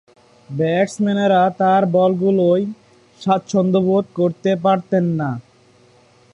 ব্যাটসম্যানেরা তার বলগুলোয় স্বাচ্ছন্দ্যবোধ করতে পারতেন না।